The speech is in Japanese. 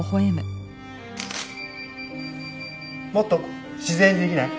もっと自然にできない？